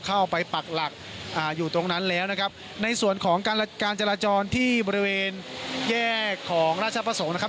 ปักหลักอยู่ตรงนั้นแล้วนะครับในส่วนของการการจราจรที่บริเวณแยกของราชประสงค์นะครับ